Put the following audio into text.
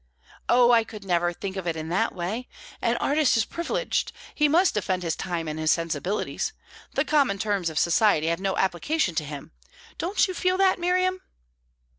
"Oh, I could never think of it in that way! An artist is privileged; he must defend his time and his sensibilities. The common terms of society have no application to him. Don't you feel that, Miriam?"